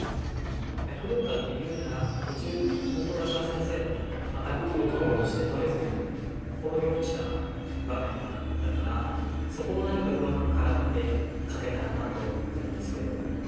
躍動感でいうなら途中本先生のアタックをとろうとしてとれずにそこを何かうまく絡めて書けたらなとは思ってるんですけど。